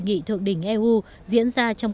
nghị thượng đỉnh eu diễn ra trong